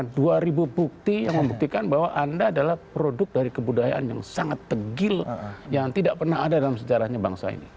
ada dua ribu bukti yang membuktikan bahwa anda adalah produk dari kebudayaan yang sangat tegil yang tidak pernah ada dalam sejarahnya bangsa ini